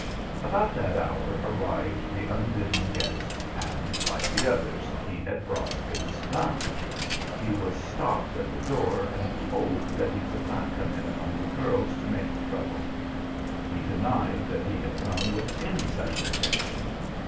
About that hour arrived the unbidden guest, and like the others he had brought his "gun." He was stopped at the door and told that he could not come in among the girls to make trouble. He denied that he had come with any such intention.